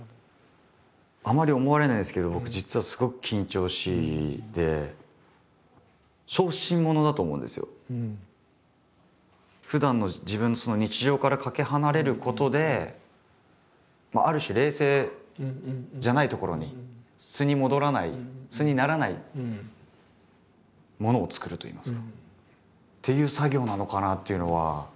あんまり思われないんですけど僕実はふだんの自分の日常からかけ離れることである種冷静じゃないところに素に戻らない素にならないものを作るといいますか。っていう作業なのかなというのは。